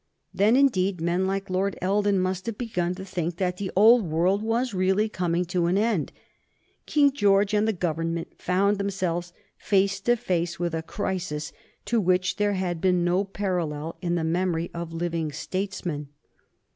Then, indeed, men like Lord Eldon must have begun to think that the old world was really coming to an end. King George and the Government found themselves face to face with a crisis to which there had been no parallel in the memory of living statesmen.